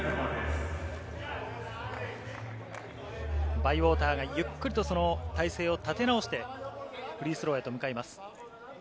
バイウォーターがゆっくりとその体勢を立て直して、フリースローへと向かいます。